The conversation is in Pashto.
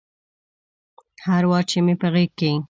هر وار چې مې په غیږ کې